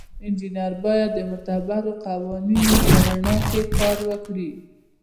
انجینر باید د معتبرو قوانینو په رڼا کې کار وکړي.